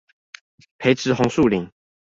培植紅樹林